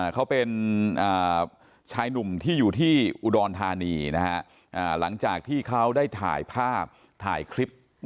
เขาเป็นชายหนุ่มที่อยู่ที่อุดรธานีหลังจากที่เขาได้ถ่ายภาพถ่ายคลิป